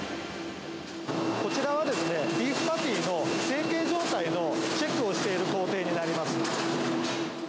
こちらはですね、ビーフパティの成型状態のチェックをしている工程になります。